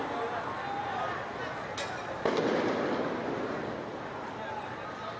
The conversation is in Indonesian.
di awal tadi sudah sangat kondusif